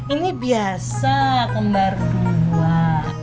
ini biasa kembar dua